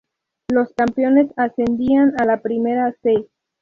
Los campeones ascendían a la Primera "C".